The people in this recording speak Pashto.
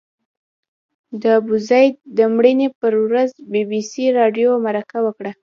د ابوزید د مړینې پر ورځ بي بي سي راډیو مرکه وکړه.